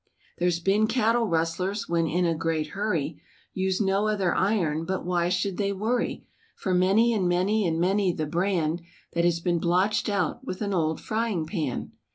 There's been cattle rustlers, when in a great hurry Used no other iron, but why should they worry, For many and many and many the brand, That has been blotched out with an old frying pan.